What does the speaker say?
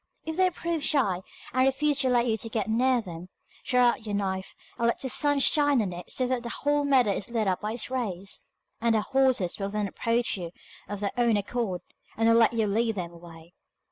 If they prove shy, and refuse to let you get near them, draw out your knife, and let the sun shine on it so that the whole meadow is lit up by its rays, and the horses will then approach you of their own accord, and will let you lead them away.